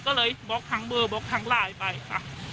ก็เลยบล็อกทั้งเบอร์ทั้งลายไปค่ะ